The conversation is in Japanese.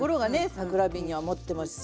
桜えびには持ってますし。